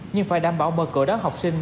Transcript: nhưng phải đảm bảo mở cửa đón học sinh